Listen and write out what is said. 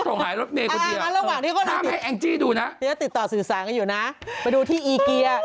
แต่อันนี้จากประเทศสวีเดนเนี่ย